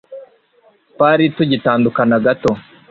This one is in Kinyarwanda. twari tugitandukana gato